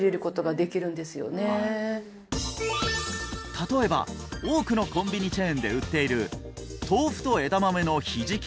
例えば多くのコンビニチェーンで売っている豆腐と枝豆のひじき